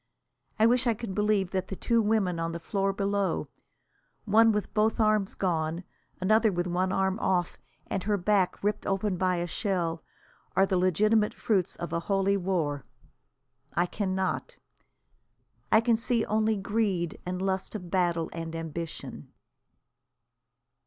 I wish I could believe that the two women on the floor below, one with both arms gone, another with one arm off and her back ripped open by a shell, are the legitimate fruits of a holy war. I cannot. I can see only greed and lust of battle and ambition.